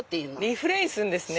リフレインするんですね。